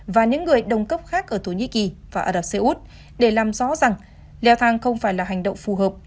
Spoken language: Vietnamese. và những người đồng cấp khác ở thổ nhĩ kỳ và ả rập xê út để làm rõ rằng leo thang không phải là hành động phù hợp